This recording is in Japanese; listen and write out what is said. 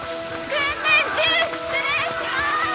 訓練中失礼します！